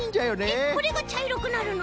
えっこれがちゃいろくなるの？